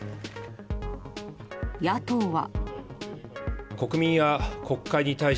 野党は。